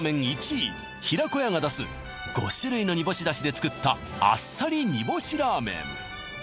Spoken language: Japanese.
１位ひらこ屋が出す５種類の煮干し出汁で作ったあっさり煮干しラーメン